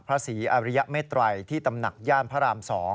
พระศรีอริยเมตรัยที่ตำหนักย่านพระราม๒